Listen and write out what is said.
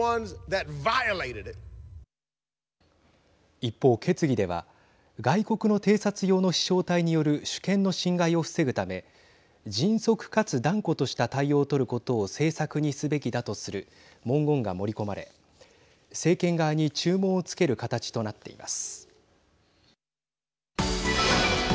一方、決議では外国の偵察用の飛しょう体による主権の侵害を防ぐため迅速かつ断固とした対応を取ることを政策にすべきだとする文言が盛り込まれ政権側に注文をつける形となっています。